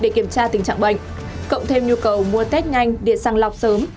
để kiểm tra tình trạng bệnh cộng thêm nhu cầu mua test nganh điện sang lọc sớm